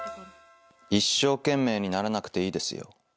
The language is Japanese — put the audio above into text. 一生懸命にならなくていいですよ。